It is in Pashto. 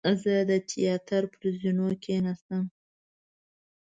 زه د تیاتر پر زینو کېناستم.